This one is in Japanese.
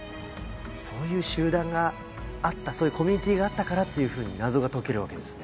そういう集団があったそういうコミュニティーがあったからっていうふうに謎が解けるわけですね。